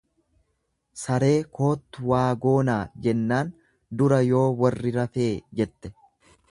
"""Saree koottu waa goonaa"" jennaan dura yoo warri rafee jette."